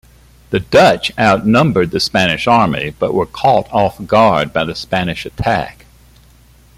The Dutch outnumbered the Spanish army, but were caught off-guard by the Spanish attack.